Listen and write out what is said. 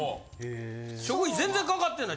食費全然かかってない。